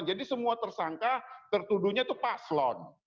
jadi semua tersangka tertuduhnya itu paslon